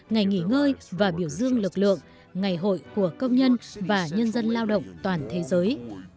ngày nghỉ ngơi và biểu dương lực lượng ngày hội của công nhân và nhân dân lao động toàn thế giới